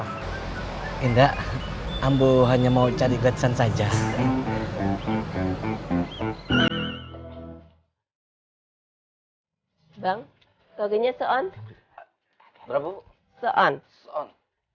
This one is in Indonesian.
hai indah ambo hanya mau cari gratisan saja bang soginya so on berapa so on